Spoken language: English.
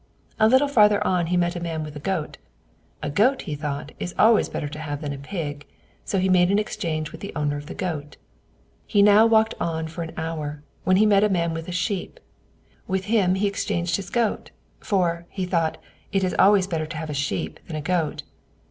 A little further on he met a man with a goat. "A goat," thought he, "is always better to have than a pig;" so he made an exchange with the owner of the goat. He now walked on for an hour, when he met a man with a sheep; with him he exchanged his goat: "for," thought he, "it is always better to have a sheep than a goat."